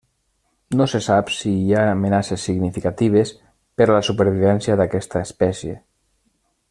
No se sap si hi ha amenaces significatives per a la supervivència d'aquesta espècie.